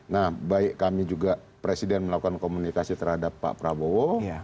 nah baik kami juga presiden melakukan komunikasi terhadap pak prabowo